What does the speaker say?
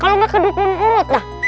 kalau enggak kedepan urut lah